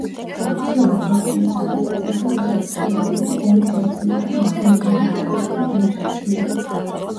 ოფიციალურ დოკუმენტს ხელს აწერდა რუსეთის პრეზიდენტი ბორის ელცინი და მისი მოლდოველი კოლეგა მირჩა სნეგური.